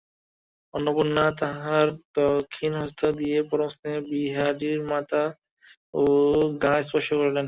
অন্নপূর্ণা তাঁহার দক্ষিণ হস্ত দিয়া পরমস্নেহে বিহারীর মাথা ও গা স্পর্শ করিলেন।